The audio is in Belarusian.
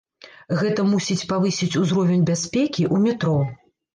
Гэта мусіць павысіць узровень бяспекі ў метро.